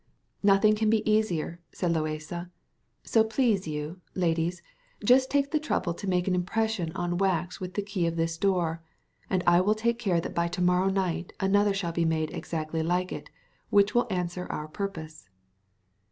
"Nothing can be easier," said Loaysa. "So please you, ladies, just take the trouble to make an impression on wax with the key of this door; and I will take care that by to morrow night another shall be made exactly like it, which will answer our purpose."